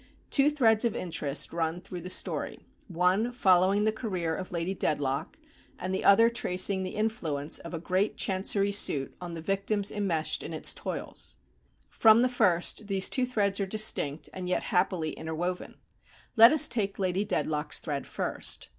Two threads of interest run through the story, one following the career of Lady Dedlock, and the other tracing the influence of a great Chancery suit on the victims immeshed in its toils. From the first these two threads are distinct, and yet happily interwoven. Let us take Lady Dedlock's thread first.